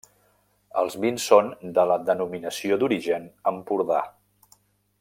Els vins són de la denominació d'Origen Empordà.